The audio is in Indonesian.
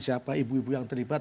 siapa ibu ibu yang terlibat